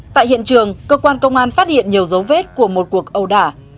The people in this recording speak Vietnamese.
tại hiện trường cơ quan công an phát hiện nhiều dấu vết của một cuộc âu đả